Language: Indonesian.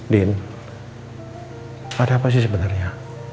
din ada apa sih sebenarnya